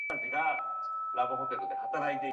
His works often featured lambs.